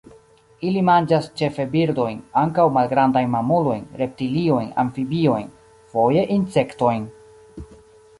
Ili manĝas ĉefe birdojn; ankaŭ malgrandajn mamulojn, reptiliojn, amfibiojn; foje insektojn.